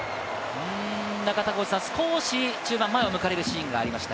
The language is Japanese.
中田さん、少し中盤、前を抜かれるシーンがありました。